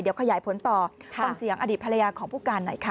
เดี๋ยวขยายผลต่อฟังเสียงอดีตภรรยาของผู้การหน่อยค่ะ